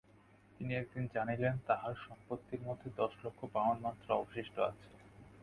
তিনি একদিন জানিলেন, তাঁহার সম্পত্তির মধ্যে দশ লক্ষ পাউণ্ড মাত্র অবশিষ্ট আছে।